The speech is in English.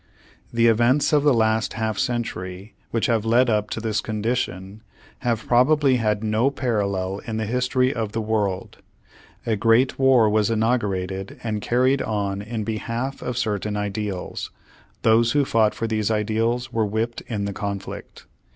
The events of the last half century which have led up to this condition, have probably had no parallel in the history of the world, A great war was inaugurated and carried on in behalf of cer tain ideals, those who fought for these ideals were whipped in the conflict.